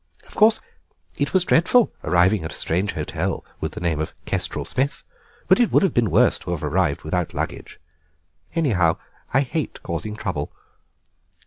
"Of course it was dreadful arriving at a strange hotel with the name of Kestrel Smith, but it would have been worse to have arrived without luggage. Anyhow, I hate causing trouble."